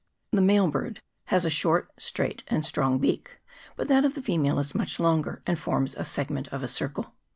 The male bird has a short, straight, and strong beak, but that of the female is much longer, and forms a segment of a circle.